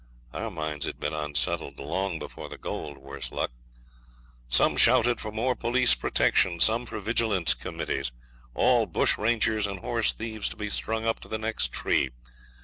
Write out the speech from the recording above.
Our minds had been unsettled long before the gold, worse luck. Some shouted for more police protection; some for vigilance committees; all bush rangers and horse thieves to be strung up to the next tree.